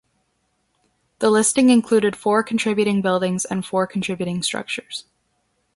The listing included four contributing buildings and four contributing structures.